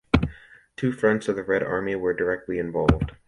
Two Fronts of the Red Army were directly involved.